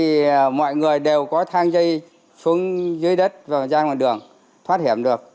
thì mọi người đều có thang dây xuống dưới đất và ra ngoài đường thoát hiểm được